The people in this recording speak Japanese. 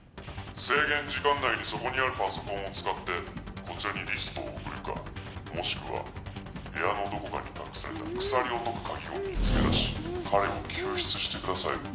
制限時間内にそこにあるパソコンを使ってこちらにリストを送るかもしくは部屋のどこかに隠された鎖を解く鍵を見つけだし彼を救出してください